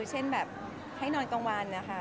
เช่นแบบให้นอนกลางวันนะคะ